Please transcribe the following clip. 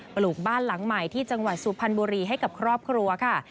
ปลูกบ้านหลังใหม่ที่จังหวัดสุพรรณบุรีให้กับครอบครัวค่ะ